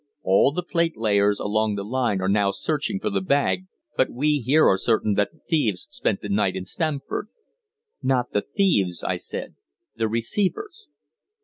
All the platelayers along the line are now searching for the bag, but we here are certain that the thieves spent the night in Stamford." "Not the thieves," I said. "The receivers."